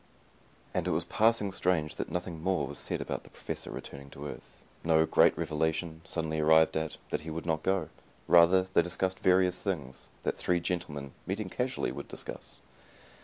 And it was passing strange that nothing more was said about the Professor returning to Earth. No great revelation, suddenly arrived at, that he would not go. Rather, they discussed various things, that three gentlemen, meeting casually, would discuss.